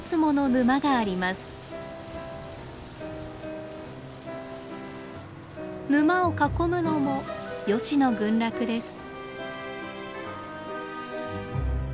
沼を囲むのもヨシの群落です。